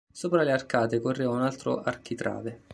Sopra le arcate correva un altro architrave.